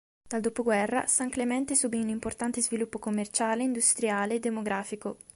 Dal dopoguerra, San Clemente subì un importante sviluppo commerciale, industriale e demografico.